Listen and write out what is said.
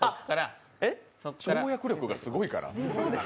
跳躍力がすごいから。